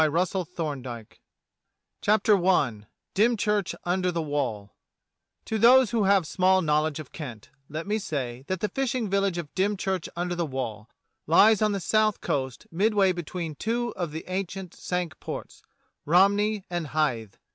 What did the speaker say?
Echoes 300 DOCTOR SYN CHAPTER I DYMCHURCH UNDER THE WALL TO THOSE who have small knowledge of Kent let me say that the fishing village of Dym church under the wall lies on the south coast midway between two of the ancient Cinque ports, Rom ney and Hythe.